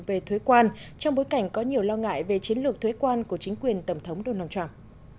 về thuế quan trong bối cảnh có nhiều lo ngại về chiến lược thuế quan của chính quyền tổng thống donald trump